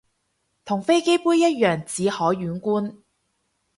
同飛機杯一樣只可遠觀